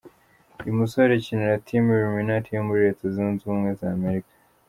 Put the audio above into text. Uyu musore akinira Team Illuminate yo muri Leta Zunze Ubumwe za Amerika.